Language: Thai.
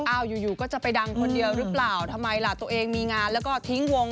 อยู่อยู่ก็จะไปดังคนเดียวหรือเปล่าทำไมล่ะตัวเองมีงานแล้วก็ทิ้งวง